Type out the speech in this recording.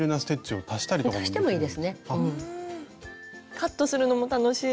カットするのも楽しい！